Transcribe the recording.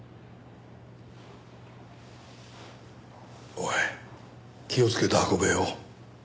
おい気をつけて運べよ。